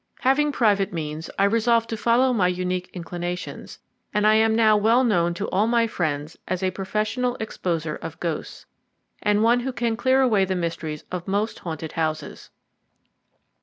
Having private means, I resolved to follow my unique inclinations, and I am now well known to all my friends as a professional exposer of ghosts, and one who can clear away the mysteries of most haunted houses.